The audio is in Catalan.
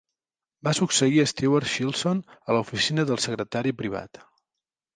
Va succeir a Stuart Shilson a l'Oficina del Secretari Privat.